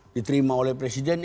diterima oleh presiden